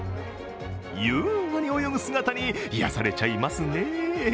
優雅に泳ぐ姿に癒やされちゃいますね。